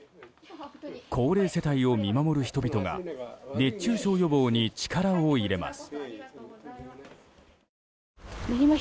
高齢世帯を見守る人々が熱中症予防に力を入れます。